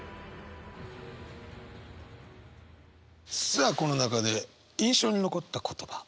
さあこの中で印象に残った言葉。